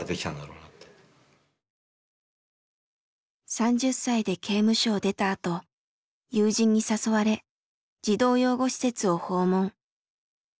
３０歳で刑務所を出たあと友人に誘われ児童養護施設を訪問。